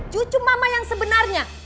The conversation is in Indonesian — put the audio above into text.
cucu mama yang sebenarnya